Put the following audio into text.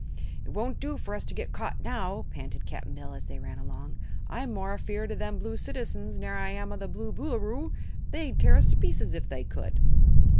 "It won't do for us to get caught now," panted Cap'n Bill, as they ran along. "I'm more afeared o' them Blue citizens ner I am o' the Blue Boolooroo. They'd tear us to pieces, if they could."